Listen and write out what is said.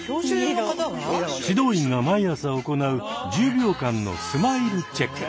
指導員が毎朝行う１０秒間の「スマイルチェック」。